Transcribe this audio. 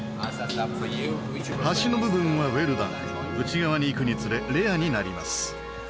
端の部分はウエルダン内側にいくにつれレアになります。